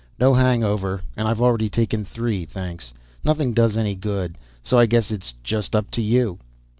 "No hangover. And I've already taken three, thanks. Nothing does any good. So I guess it's just up to you."